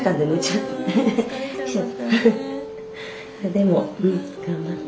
でも頑張った。